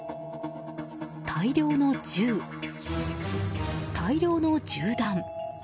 大量の銃、大量の銃弾。